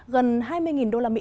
gần hai mươi usd